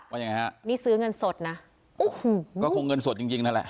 ว่ายังไงฮะนี่ซื้อเงินสดนะโอ้โหก็คงเงินสดจริงจริงนั่นแหละ